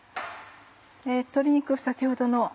鶏肉先ほどの。